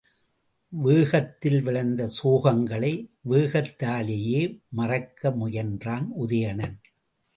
வேகத்தில் விளைந்த சோகங்களை வேகத்தாலேயே மறக்க முயன்றான் உதயணன்.